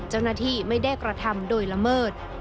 เจ้าหน้าที่ไม่ได้กระทำโดยละเมิด